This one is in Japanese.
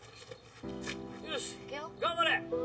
よし頑張れ！